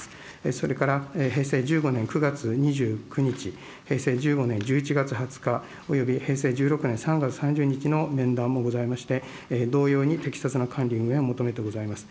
それから平成１５年９月２９日、平成１５年１１月２０日、および平成１６年３月３０日の面談もございまして、同様に適切な管理運営を求めております。